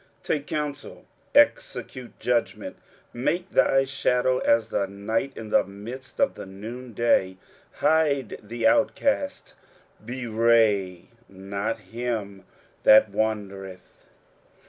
23:016:003 Take counsel, execute judgment; make thy shadow as the night in the midst of the noonday; hide the outcasts; bewray not him that wandereth.